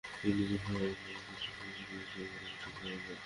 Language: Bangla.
কিন্তু যেভাবে মানুষের ভিড়, তাতে ইঞ্চি ইঞ্চি এগোনোও কঠিন হয়ে দাঁড়ায়।